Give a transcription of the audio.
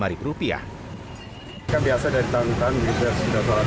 harga berkurang sih dari tahun lalu hari ini saja sudah macet